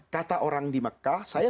kata orang di mekah saya